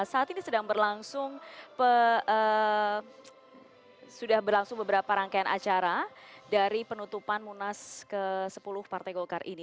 saat ini sedang berlangsung sudah berlangsung beberapa rangkaian acara dari penutupan munas ke sepuluh partai golkar ini